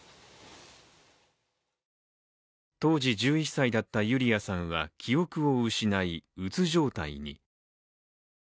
当時１１歳だったユリアさんは記憶を失い、うつ状態に。